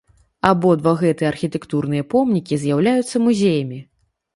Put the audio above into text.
Абодва гэтыя архітэктурныя помнікі з'яўляюцца музеямі.